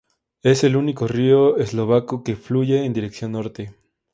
Es el único río eslovaco que fluye en dirección norte.